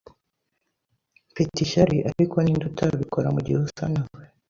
Mfite ishyari, ariko ninde utabikora mugihe usa nawe